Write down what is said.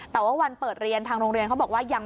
แต่ว่าวันเปิดเรียนทางโรงเรียนเขาบอกว่ายัง